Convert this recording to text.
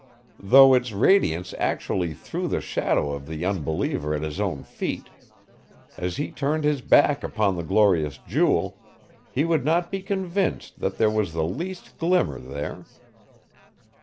Though its radiance actually threw the shadow of the unbeliever at his own feet, as he turned his back upon the glorious jewel, he would not be convinced that there was the least glimmer there.